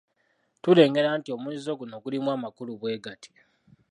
Tulengera nti omuzizo guno gulimu amakulu bwe gati.